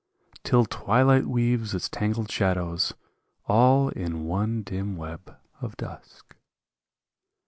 Till twilight weaves its tangled shadows all In one dim web of dusk.